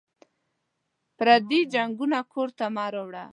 پردي جنګونه کور ته مه راوړه